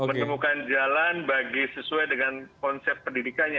menemukan jalan bagi sesuai dengan konsep pendidikannya